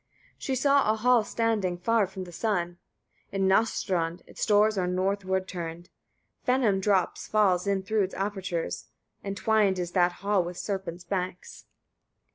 42. She saw a hall standing, far from the sun, in Nâströnd; its doors are northward turned, venom drops fall in through its apertures: entwined is that hall with serpents' backs.